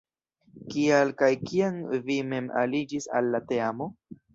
Kial kaj kiam vi mem aliĝis al la teamo?